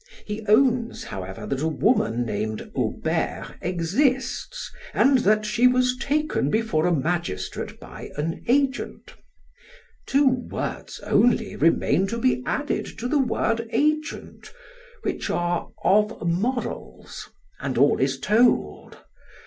He owns, however, that a woman named Aubert exists, and that she was taken before a magistrate by an agent. Two words only remain to be added to the word 'agent,' which are 'of morals' and all is told.